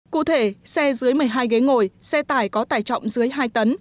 cụ thể xe dưới một mươi hai ghế ngồi xe tải có tải trọng dưới hai tấn